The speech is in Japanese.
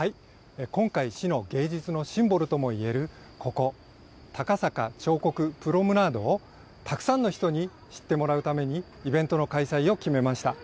今回、市の芸術のシンボルともいえる、ここ高坂彫刻プロムナードをたくさんの人に知ってもらうためにイベントの開催を決めました。